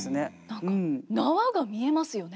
何か縄が見えますよね。